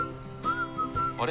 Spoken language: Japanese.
あれ？